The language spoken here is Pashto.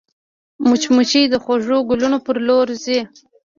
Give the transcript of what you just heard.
مچمچۍ د خوږو ګلونو پر لور ځي